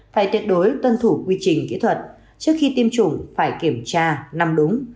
phải tiệt đối tuân thủ quy trình kỹ thuật trước khi tiêm chủng phải kiểm tra nằm đúng